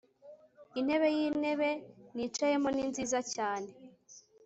Intebe yintebe nicayemo ni nziza cyane